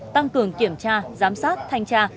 tăng cường kiểm tra giám sát thanh tra